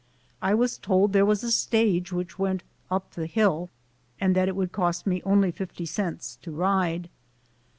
I was told there was a stage which went "up the hill" and that it would cost only fifty cents to ride.